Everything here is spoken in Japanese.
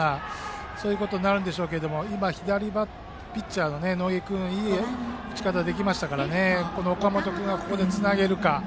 そういうことになるんでしょうけども左ピッチャーの野下君はそれに対しいい打ち方ができたので岡本君がここでつなげるか。